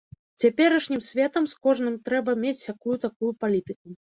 Цяперашнім светам з кожным трэба мець сякую-такую палітыку.